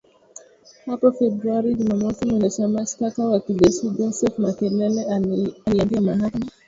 hapo Februari Jumamosi mwendesha mashtaka wa kijeshi Joseph Makelele aliiambia mahakama